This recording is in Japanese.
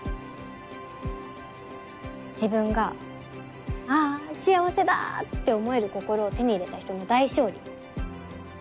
自分が「あぁ幸せだ！」って思える心を手に入れた人の大勝利。